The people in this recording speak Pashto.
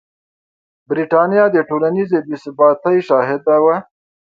برېټانیا د ټولنیزې بې ثباتۍ شاهده وه.